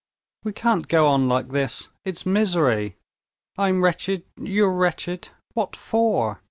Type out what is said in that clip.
"We can't go on like this! It's misery! I am wretched; you are wretched. What for?"